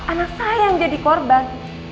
anak saya yang jadi korban